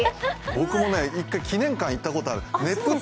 僕も１回、記念館行ったことある。